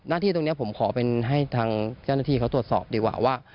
ที่ตรงนี้ผมขอเป็นให้ทางเจ้าหน้าที่เขาตรวจสอบดีกว่าว่า